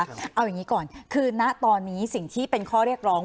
เอาอย่างนี้ก่อนคือณตอนนี้สิ่งที่เป็นข้อเรียกร้อง